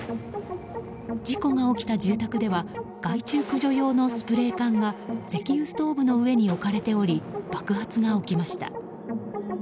事故が起きた住宅では害虫駆除用のスプレー缶が石油ストーブの上に置かれており爆発が起きました。